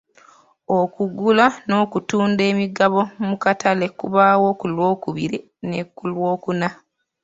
Okugula n'okutunda emigabo mu katale kubaawo ku Lwokubiri ne ku Lwokuna.